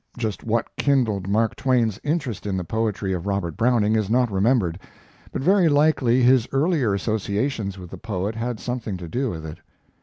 Just what kindled Mark Twain's interest in the poetry of Robert Browning is not remembered, but very likely his earlier associations with the poet had something to do with it.